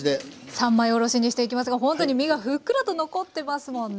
三枚おろしにしていきますがほんとに身がふっくらと残ってますもんね。